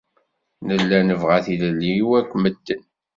Nella nebɣa tilelli i wakk medden.